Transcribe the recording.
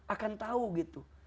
akan tahu gitu